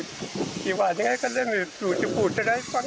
ดีว่าเงี้ยก็เลยไม่รู้จะพูดจะได้ฟัง